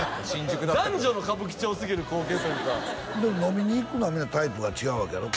男女の歌舞伎町すぎる光景というかで飲みに行くのはみんなタイプが違うわけやろ？